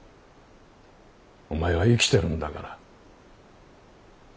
お前は生きてるんだから。